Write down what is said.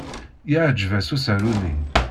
Yeɛjeb-as usaru-nni.